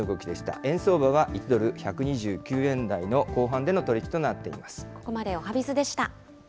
円相場は１ドル１２９円台の後半での取り引きとなっています。